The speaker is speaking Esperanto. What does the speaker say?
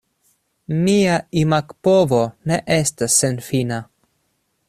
Mia imagpovo ne estas senfina.